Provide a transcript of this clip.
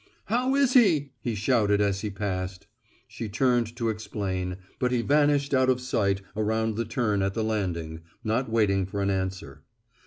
"How is he?" he shouted as he passed. She turned to explain, but he vanished out of sight around the turn at the landing, not waiting for an answer.